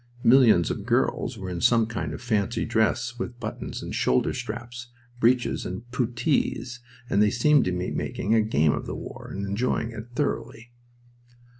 Millions of girls were in some kind of fancy dress with buttons and shoulder straps, breeches and puttees, and they seemed to be making a game of the war and enjoying it thoroughly.